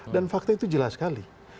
dan fakta itu jelas sekali